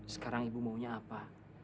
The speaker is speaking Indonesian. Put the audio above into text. sekarang ibu maunya apa